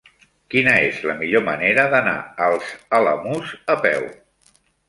Quina és la millor manera d'anar als Alamús a peu?